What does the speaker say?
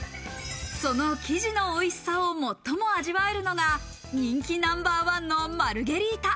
その生地のおいしさを最も味わえるのが人気ナンバーワンのマルゲリータ。